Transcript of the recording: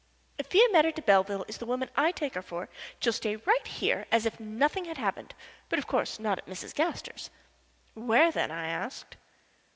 If Fiametta de Belleville is the woman I take her for she'll stay right here as if nothing had happened, but of course not at Mrs. Gaster's." "Where then?" I asked.